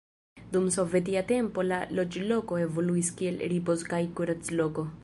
Dum sovetia tempo la loĝloko evoluis kiel ripoz- kaj kurac-loko.